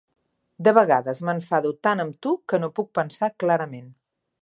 De vegades m'enfado tan amb tu que no puc pensar clarament.